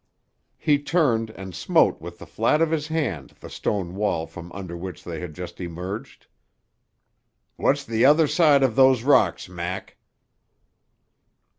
He turned and smote with the flat of his hand the stone wall from under which they had just emerged. "What's the other side of those rocks, Mac?"